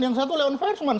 yang satu law enforcement